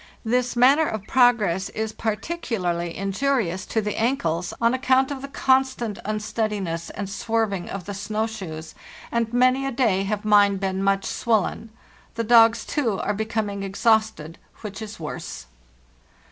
This manner of progress is particularly injurious to the ankles, on account of the constant unsteadiness and swerving of the snow shoes, and many a day have mine been much swollen. The dogs, too, are becoming exhausted, which is worse.